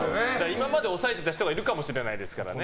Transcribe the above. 今まで抑えてた人がいるかもしれないですからね。